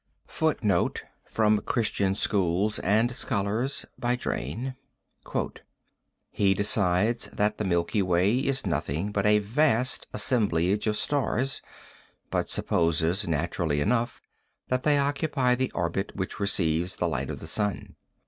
[Footnote 6: Christian Schools and Scholars. Drane.] "He decides that the Milky Way is nothing but a vast assemblage of stars, but supposes naturally enough that they occupy the orbit which receives the light of the sun.